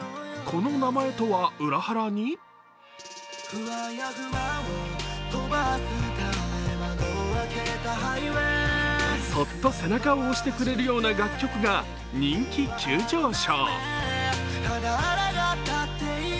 この名前とは裏腹にそっと背中を押してくれるような楽曲が人気急上昇。